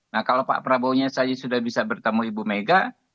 nah kalau pak prabowo nya saja sudah bisa bertemu ibu mega